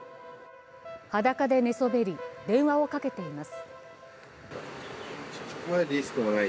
裸で寝そべり、電話をかけています